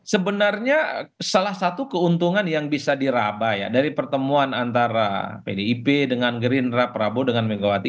sebenarnya salah satu keuntungan yang bisa diraba ya dari pertemuan antara pdip dengan gerindra prabowo dengan megawati